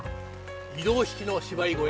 移動式の芝居小屋